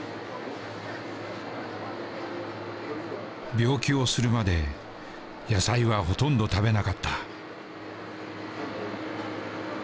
病気をするまで野菜はほとんど食べなかった。